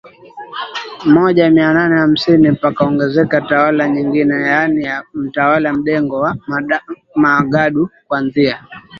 moja mia nane hamsini pakaongezeka tawala nyingine yaani ya Mtawala Mdengo wa Magadu kuanzia